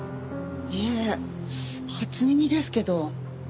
いえ初耳ですけど。